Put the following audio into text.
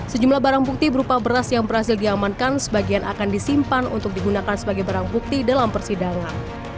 sejumlah barang bukti berupa beras yang berhasil diamankan sebagian akan disimpan untuk digunakan sebagai barang bukti dalam persidangan